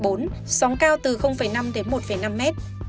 sóng cao từ năm một năm m